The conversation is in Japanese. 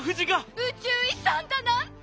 宇宙遺産だなんて！